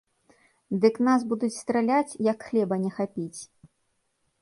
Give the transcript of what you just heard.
Дык нас будуць страляць, як хлеба не хапіць!